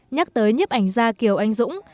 nhắc tới nhiếp ảnh gia kiều anh dũng